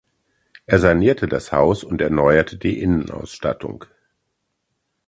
Er sanierte das Haus und erneuerte die Innenausstattung.